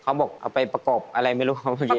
เขาบอกเอาไปประกอบอะไรไม่รู้ครับเมื่อกี้